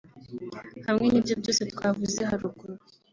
Hamwe n’ibyo byose twavuze haruguru